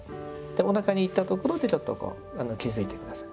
おなかにいったところでちょっとこう気づいて下さい。